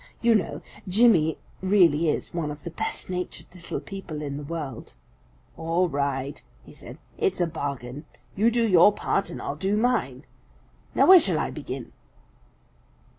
You know, Jimmy really is one of the best natured little people in the world. "All right," said he, "it's a bargain. You do your part and I'll do mine. Now where shall I begin?"